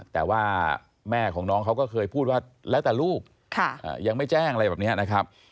แต่ว่าแม่ของน้องเขาก็เคยพูดว่าแล้วแต่ลูกยังไม่แจ้งอะไรแบบนี้นะครับ